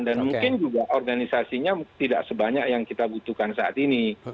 dan mungkin juga organisasinya tidak sebanyak yang kita butuhkan saat ini